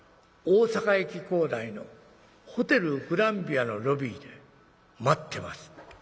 大阪駅構内のホテルグランヴィアのロビーで待ってます』。